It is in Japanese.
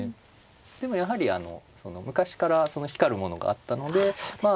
でもやはりあの昔から光るものがあったのでまあ